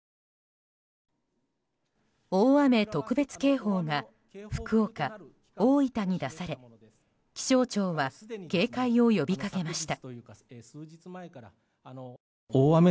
大雨特別警報が福岡、大分に出され気象庁は警戒を呼びかけました。